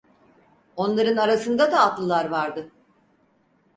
Onların arasında da atlılar vardı.